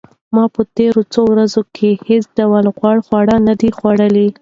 ما په تېرو څو ورځو کې هیڅ ډول غوړ خواړه نه دي خوړلي.